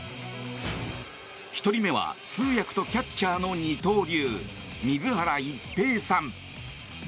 １人目は通訳とキャッチャーの二刀流、水原一平さん。